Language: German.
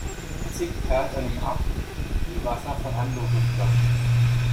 Kritik perlt an ihm ab wie Wasser von einem Lotosblatt.